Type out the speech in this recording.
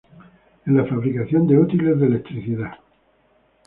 En la fabricación de útiles de electricidad.